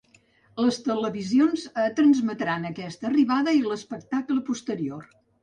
Les televisions transmetran aquesta arribada i l’espectacle posterior.